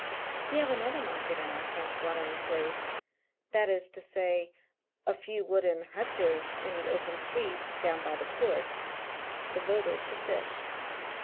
We have another market in our French watering place — that is to say, ft few wooden hutches in the open street, down by the Port — devoted to fish.